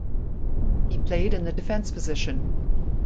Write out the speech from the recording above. He played in the defense position.